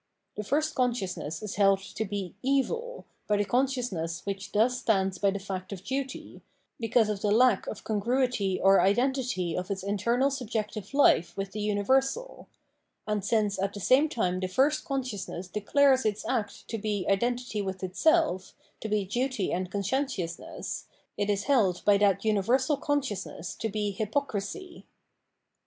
The first consciousness is held to be Evil by the consciousness which thus stands by the fact of duty, because of the lack of congruity or identity of its internal subjective fife with the universal ; and since at the same time the first consciousness declares its act to be identity with itself, to be duty and conscientiousness, it is held by that universal consciousness to be Hypocrisy.